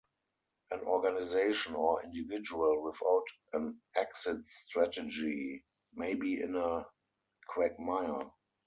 An organisation or individual without an exit strategy may be in a quagmire.